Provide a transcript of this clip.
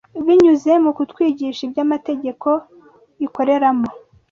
binyuze mu kutwigisha iby’amategeko ikoreramo